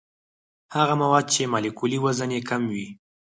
هغه مواد چې مالیکولي وزن یې کم وي.